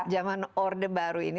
zaman order baru ini